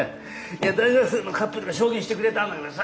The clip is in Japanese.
いや大学生のカップルが証言してくれたんだけどさ